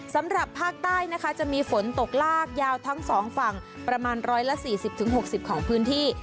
สำหรับภาคใต้นะคะจะมีฝนตกลากยาวทั้ง๒ฝั่งประมาณ๑๔๐๖๐ของพื้นที่